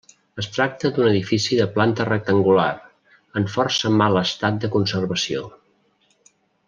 Es tracta d'un edifici de planta rectangular, en força mal estat de conservació.